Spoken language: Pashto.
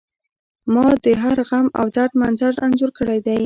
ما د هر غم او درد منظر انځور کړی دی